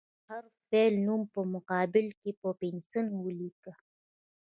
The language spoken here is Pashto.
د هر فعل نوم په مقابل کې په پنسل ولیکئ.